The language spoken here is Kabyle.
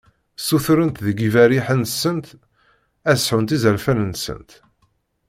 Ssuturen deg yiberriḥen-nsent ad sɛunt izerfan-nsent.